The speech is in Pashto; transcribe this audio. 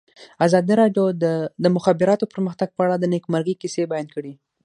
ازادي راډیو د د مخابراتو پرمختګ په اړه د نېکمرغۍ کیسې بیان کړې.